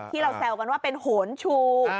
เราแซวกันว่าเป็นโหนชู